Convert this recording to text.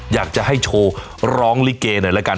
อยากจะให้โชว์ร้องลิเกหน่อยละกัน